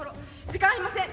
時間ありません。